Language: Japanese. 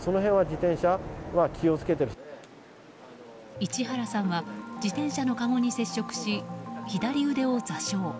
市原さんは自転車のかごに接触し左腕を挫傷。